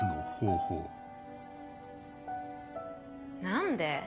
何で？